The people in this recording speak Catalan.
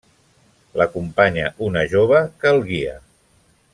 L'acompanya una jove que el guia.